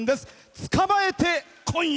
「捕まえて、今夜。」。